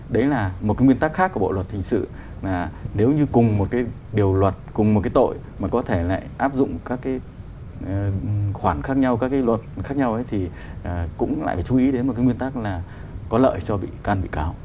đấy là một cái nguyên tắc khác của bộ luật thình sự là nếu như cùng một cái điều luật cùng một cái tội mà có thể lại áp dụng các cái khoản khác nhau các cái luật khác nhau ấy thì cũng lại phải chú ý đến một cái nguyên tắc là có lợi cho bị can bị cáo